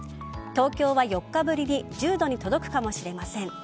東京は４日ぶりに１０度に届くかもしれません。